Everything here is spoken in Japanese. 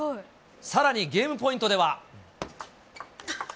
さらにゲームポイントでは。